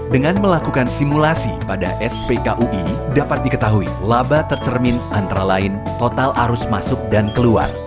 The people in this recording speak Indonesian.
dengan melakukan simulasi pada spkui dapat diketahui laba tercermin antara lain total arus masuk dan keluar